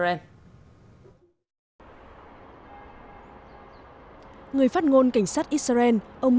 người phát ngôn cảnh sát israel ông mickey rosenfeld xác nhận hàng trăm cảnh sát đã được điều đến khu vực bên trong và xung quanh thành cổ jerusalem